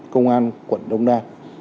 công an quận đông đa